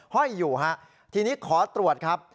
ห้อยอยู่ฮะทีนี้ขอตรวจครับ